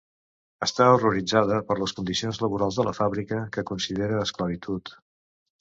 Està horroritzada per les condicions laborals de la fàbrica, que considera esclavitud.